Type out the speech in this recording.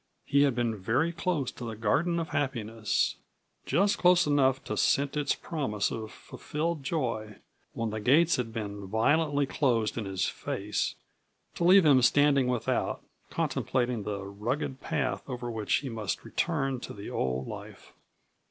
He had been very close to the garden of happiness just close enough to scent its promise of fulfilled joy, when the gates had been violently closed in his face, to leave him standing without, contemplating the ragged path over which he must return to the old life.